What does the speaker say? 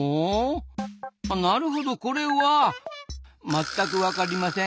なるほどこれはまったくわかりません。